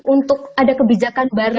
untuk ada kebijakan baru